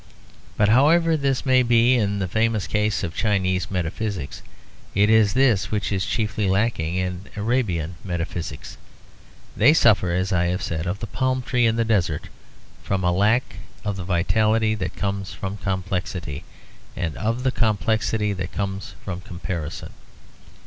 But however this may be in the famous case of Chinese metaphysics, it is this which is chiefly lacking in Arabian metaphysics. They suffer, as I have said of the palm tree in the desert, from a lack of the vitality that comes from complexity, and of the complexity that comes from comparison.